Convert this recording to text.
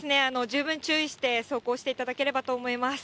十分注意して、走行していただければと思います。